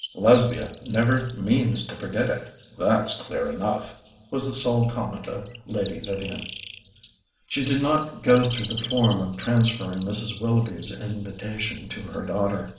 "Lesbia never means to forget it, that's clear enough," was the sole comment of Lady Vivian. She did not go through the form of transferring Mrs. Willoughby's invitation to her daughter.